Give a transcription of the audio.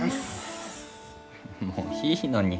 もういいのに。